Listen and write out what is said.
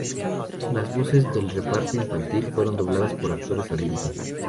Las voces del reparto infantil fueron dobladas por actores adultos.